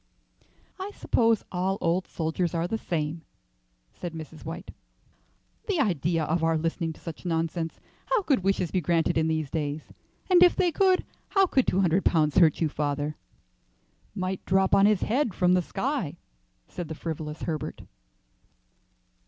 "I suppose all old soldiers are the same," said Mrs. White. "The idea of our listening to such nonsense! How could wishes be granted in these days? And if they could, how could two hundred pounds hurt you, father?" "Might drop on his head from the sky," said the frivolous Herbert.